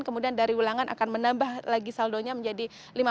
kemudian dari ulangan akan menambah lagi saldonya menjadi lima puluh